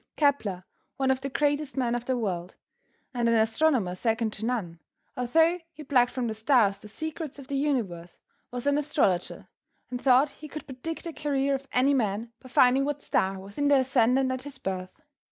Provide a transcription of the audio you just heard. Kepler, one of the greatest men of the world, and an astronomer second to none, although he plucked from the stars the secrets of the universe, was an astrologer and thought he could predict the career of any man by finding what star was in the ascendant at his birth.